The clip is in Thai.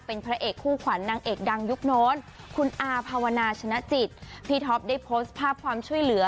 เป็นพระเอกคู่ขวัญนางเอกดังยุคโน้นคุณอาภาวนาชนะจิตพี่ท็อปได้โพสต์ภาพความช่วยเหลือ